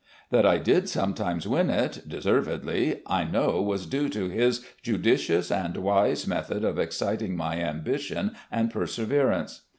That I did sometimes win it, deservedly, I know was due to his judicious and wise method of ex citing my ambition and perseverance.